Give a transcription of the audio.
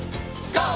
ＧＯ！